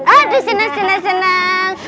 aduh senang senang senang